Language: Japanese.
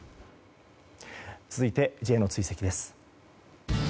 続いてＪの追跡です。